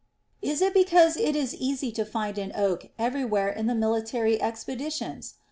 Is it because it is easy to find an oak every where in the military expeditions